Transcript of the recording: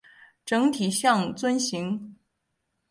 整体像樽形。